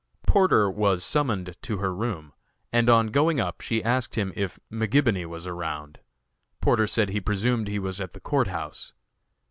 Porter was summoned to her room, and on going up she asked him if McGibony was around. Porter said he presumed he was at the Court House.